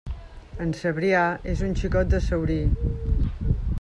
En Cebrià és un xicot de Saurí.